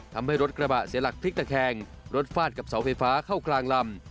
ทำให้รถกระบะเสียหลักพลิกตะแคงรถฟาดกับเสาไฟฟ้าเข้ากลางลำ